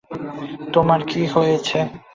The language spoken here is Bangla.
তোমার কি হয়েছে?